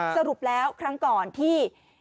สรุปแล้วครั้งก่อนที่